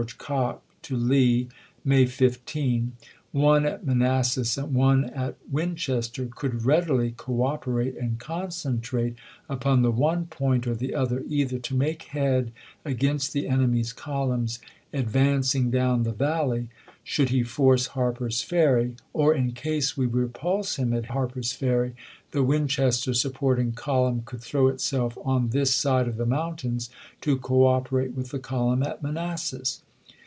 Cocke to Lee (May 15), " one at Manassas and one at Winchester, could readily cooperate and concentrate upon the one point or the other, either to make head against the enemy's columns advancing down the valley, should he force Harper's Ferry, or, in case we repulse him at Harper's Ferry, the Winchester sup cocke to porting column could throw itself on this side of ^fsl'iseif the mountains to cooperate with the column at n..^i. 847.' Manassas."